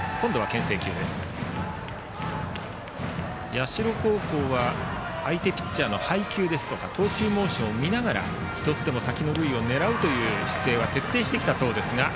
社高校は相手ピッチャーの配球ですとか投球モーションを見ながら１つでも先の塁を狙うという姿勢を徹底してきたそうです。